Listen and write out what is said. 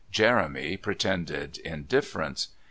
Jeremy pretended indifference.